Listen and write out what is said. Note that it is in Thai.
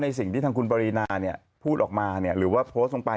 สิ่งที่ทางคุณปรินาพูดออกมาหรือว่าโพสต์ลงไป